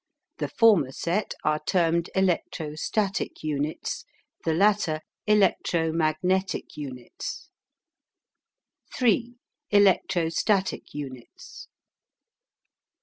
The former set are termed electro static units, the latter electro magnetic units. III. ELECTROSTATIC UNITS.